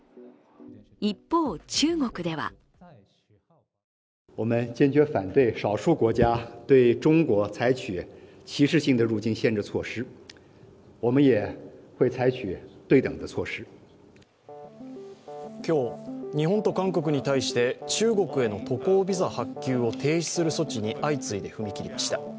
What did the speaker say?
一方、中国では今日、日本と韓国に対して中国への渡航ビザ発給を停止する措置に相次いで踏み切りました。